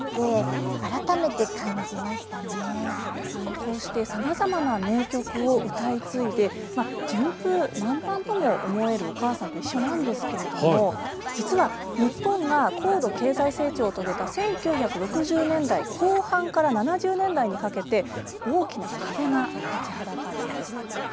こうしてさまざまな名曲を歌い継いで順風満帆とも思える「おかあさんといっしょ」なんですけれども実は日本が高度経済成長を遂げた１９６０年代後半から７０年代にかけて大きな壁が立ちはだかるんです。